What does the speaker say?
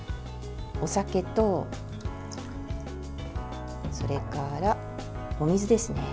お酒と、それからお水ですね。